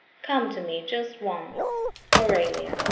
Come to me just once." Aurelia.